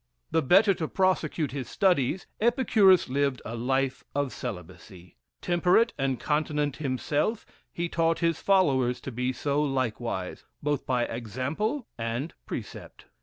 The better to prosecute his studies, Epicurus lived a life of celibacy. Temperate and continent himself, he taught his followers to be so likewise, both by example and precept.